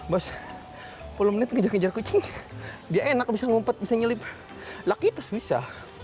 bos sepuluh menit ngejar ngejar kucing dia enak bisa ngumpet bisa ngilip lucky terus bisa